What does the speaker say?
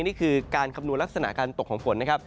นี่คือการคำนวณลักษณะการตกของฝนนะครับ